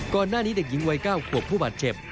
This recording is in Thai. ก่อนหน้านี้เด็กหญิงวัย๙ขวบผู้บาดเจ็บ